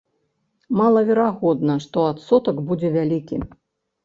Малаверагодна, што адсотак будзе вялікі.